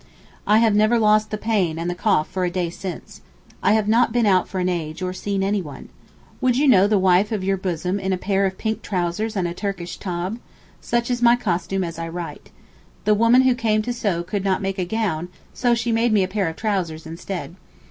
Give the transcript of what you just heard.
I have never lost the pain and the cough for a day since. I have not been out for an age, or seen anyone. Would you know the wife of your bosom in a pair of pink trousers and a Turkish tob? Such is my costume as I write. The woman who came to sew could not make a gown, so she made me a pair of trousers instead.